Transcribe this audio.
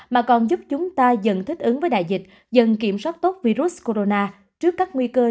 mà còn giúp chúng ta dần thích ứng với đại dịch dần kiểm soát tốt virus corona trước các nguy cơ